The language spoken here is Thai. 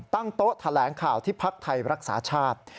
ตั้งโต๊ะแถลงข่าวที่พักไทยรักษาชาติ